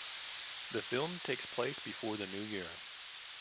The film takes place before the New Year.